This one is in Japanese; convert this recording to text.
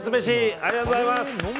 ありがとうございます。